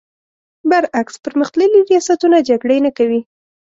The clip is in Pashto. برعکس پر مختللي ریاستونه جګړې نه کوي.